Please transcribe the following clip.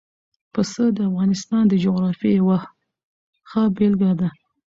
پسه د افغانستان د جغرافیې یوه ښه بېلګه ده.